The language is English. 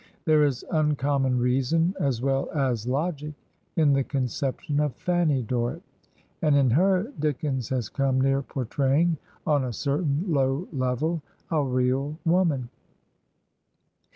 There is uncommon reason as well as logic in the conception of Fanny Dorrit, and in her Dickens has come near portraying, on a cer tain low level, a real woman.